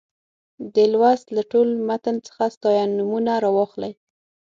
دې لوست له ټول متن څخه ستاینومونه راواخلئ.